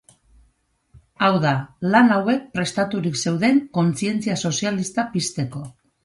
Hau da, lan hauek prestaturik zeuden kontzientzia sozialista pizteko.